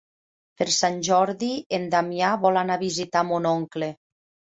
Per Sant Jordi en Damià vol anar a visitar mon oncle.